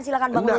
silahkan bang ical